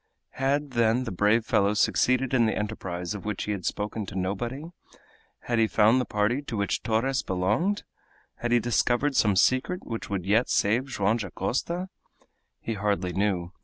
Had, then, the brave fellow succeeded in the enterprise of which he had spoken to nobody? Had he found the party to which Torres belonged? Had he discovered some secret which would yet save Joam Dacosta? He hardly knew.